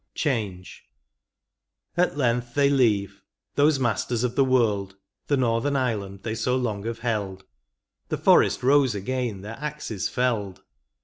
15 vn. CHANGE. At length they leave, those masters of the world, The northern island they so long have held ; The forest rose again their axes felled.